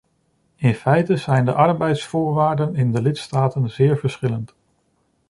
In feite zijn de arbeidsvoorwaarden in de lidstaten zeer verschillend.